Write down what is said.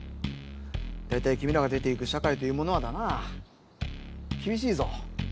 だいたいきみらが出ていく社会というものはだなきびしいぞ。